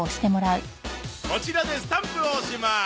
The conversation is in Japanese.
こちらでスタンプを押します！